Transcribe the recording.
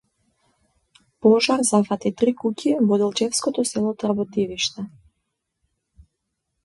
Пожар зафати три куќи во делчевското село Тработивиште